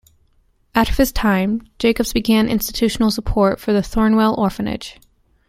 After this time Jacobs began institutional support for the Thornwell Orphanage.